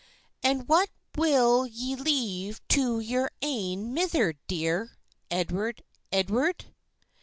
"And what will ye leave to your ain mither dear, Edward, Edward?